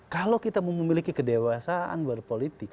kalau kita memiliki kedewasaan berpolitik